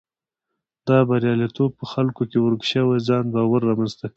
دا بریالیتوب په خلکو کې ورک شوی ځان باور رامنځته کوي.